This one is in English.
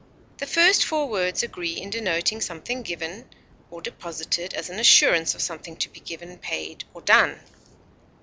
The first four words agree in denoting something given or deposited as an assurance of something to be given, paid, or done.